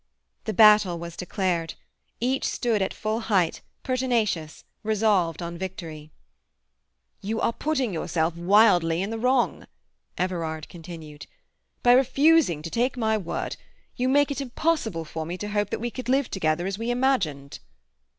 The battle was declared. Each stood at full height, pertinacious, resolved on victory. "You are putting yourself wildly in the wrong," Everard continued. "By refusing to take my word you make it impossible for me to hope that we could live together as we imagined."